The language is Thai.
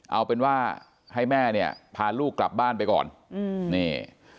เอาเป็นว่าให้แม่เนี่ยพาลูกกลับบ้านไปก่อนอืมนี่